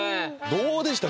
どうでした？